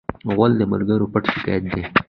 غول د ملګرو پټ شکایت دی.